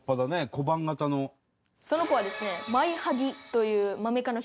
その子はですね。